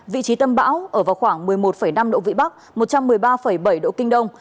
vị trí tâm bão ở vào khoảng một mươi một năm độ vĩ bắc một trăm một mươi ba bảy độ kinh đông